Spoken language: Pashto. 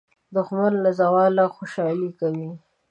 دښمن له زواله خوشالي کوي